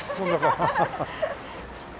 ハハハハ。